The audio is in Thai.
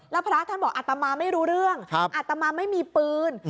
แล้วพระท่านบอกอัตมาไม่รู้เรื่องอัตมาไม่มีปืน